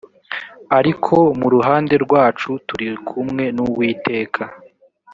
ariko mu ruhande rwacu turi kumwe n uwiteka